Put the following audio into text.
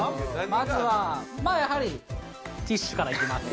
まずはまあやはりティッシュからいきます。